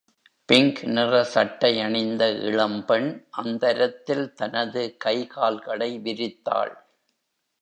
pink நிற சட்டை அணிந்த இளம் பெண் அந்தரத்தில் தனது கைகால்களை விரித்தாள்.